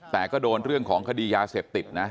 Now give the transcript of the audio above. แต่ก็โดนเรื่องของคดียาเสพติดนะ